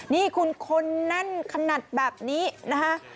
นี่คุณคนแน่นขนาดแบบนี้นะคะ